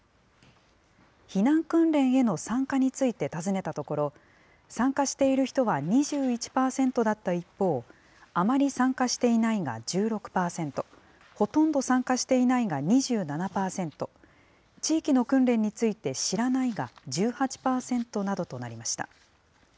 避難訓練への参加について尋ねたところ、参加している人は２１％だった一方、あまり参加していないが１６％、ほとんど参加していないが２７％、地域の訓練について知らないが１８％などとなりました。